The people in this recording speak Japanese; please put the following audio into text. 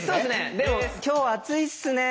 でも「今日暑いっすね」